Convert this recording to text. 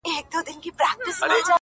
o په دومره سپینو کي عجیبه انتخاب کوي.